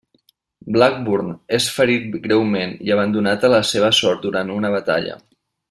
Blackburn és ferit greument i abandonat a la seva sort durant una batalla.